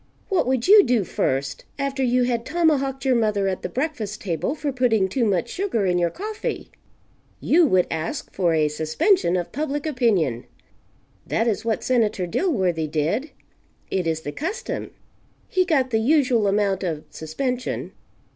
What would you do first, after you had tomahawked your mother at the breakfast table for putting too much sugar in your coffee? You would "ask for a suspension of public opinion." That is what Senator Dilworthy did. It is the custom. He got the usual amount of suspension.